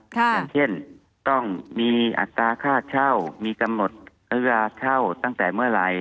อย่างเช่นต้องมีอัตราค่าเช่ามีกำหนดระยะเช่าตั้งแต่เมื่อไหร่